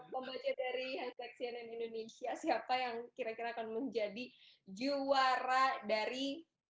membaca dari hashtag cnn indonesia siapa yang kira kira akan menjadi juara dari